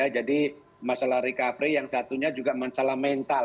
jadi masalah recovery yang satunya juga masalah mental